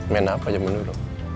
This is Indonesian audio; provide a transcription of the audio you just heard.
main apa zaman dulu